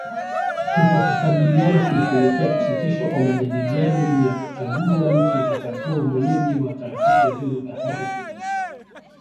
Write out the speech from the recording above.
Kutokukubaliana kulipelekea kusitishwa kwa majadiliano juu ya kuchagua nchi itakayokuwa mwenyeji wa Taasisi ya Vyombo vya Habari Afrika Mashariki